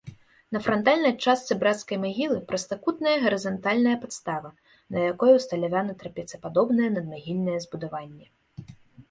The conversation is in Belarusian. На франтальнай частцы брацкай магілы прастакутная гарызантальная падстава, на якой усталявана трапецападобнае надмагільнае збудаванне.